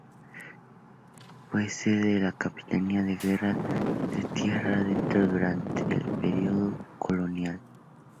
Fue sede de la capitanía de guerra de Tierra Dentro durante el periodo colonial.